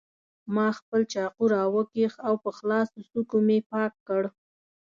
ما خپل چاقو راوکېښ او په خلاصو څوکو مې پاک کړ.